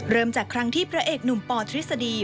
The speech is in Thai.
เริ่มจากครั้งที่พระเอกหนุ่มปทฤษฎี